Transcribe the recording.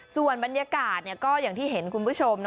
ส่วนบรรยากาศก็อย่างที่เห็นคุณผู้ชม